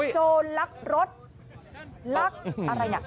โจรลักรถลักอะไรน่ะ